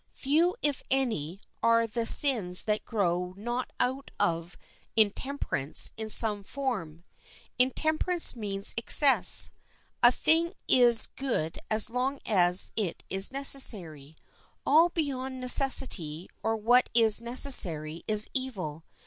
Few, if any, are the sins that grow not out of intemperance in some form. Intemperance means excess. A thing is good as long as it is necessary. All beyond necessity, or what is necessary, is evil.